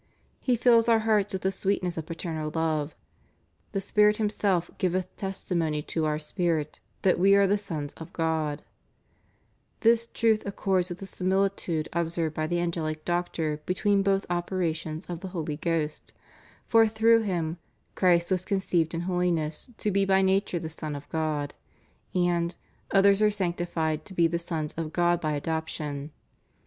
He fills our hearts with the sweetness of paternal love: The Spirit Himself giveth testimony to our spirit that we are the sons of God} This truth accords with the similitude observed by the Angelic Doctor between both operations of the Holy Ghost; for through Him "Christ was conceived in hohness to be by nature the Son of God," and " others are sanctified to be the sons of God by adoption."